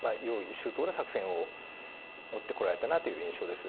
周到な作戦を持ってこられたなという印象です。